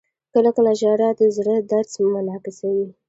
• کله کله ژړا د زړه درد منعکسوي.